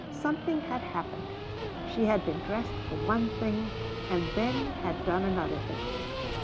Something had happened. She had been dressed for one thing and then had done another thing.